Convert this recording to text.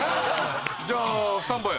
じゃあスタンバイ。